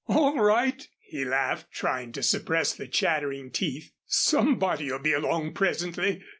"All right," he laughed, trying to suppress the chattering teeth. "Somebody'll be along presently."